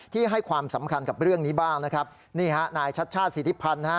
ให้ความสำคัญกับเรื่องนี้บ้างนะครับนี่ฮะนายชัดชาติสิทธิพันธ์ฮะ